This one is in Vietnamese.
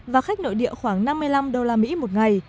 và khách nội địa khoảng năm mươi năm usd một ngày